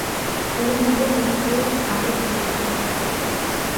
তিনি হিন্দু-মুসলিম সাম্যে বিশ্বাসী ছিলেন।